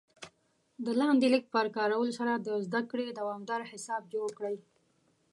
د لاندې لینک په کارولو سره د زده کړې دوامدار حساب جوړ کړئ